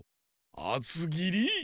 あつぎり？